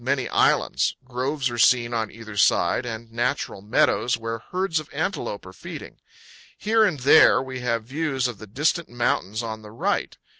many islands; groves are seen on either side, and natural meadows, where herds of antelope are feeding. Here and there we have views of the distant mountains on the right.